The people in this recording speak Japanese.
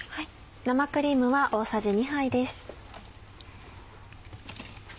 生クリームは大さじ２杯です。